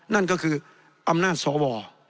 นั่นก็คืออำนาจสว